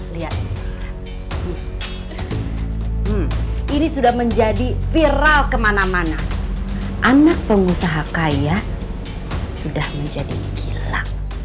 lihat ini sudah menjadi viral kemana mana anak pengusaha kaya sudah menjadi gila